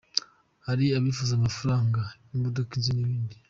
Hari abifuza amafaranga, imodoka, inzu n’ibindi